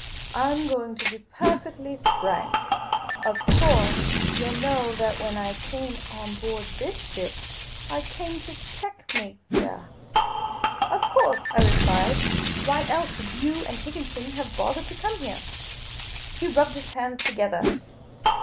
" I 'm going to be perfectly frank. Of course yah know that when I came on board this ship I came — to checkmate yah." " Of course," I replied. " Why else should you and Higginson have bothered to come here ?" He rubbed his hands together.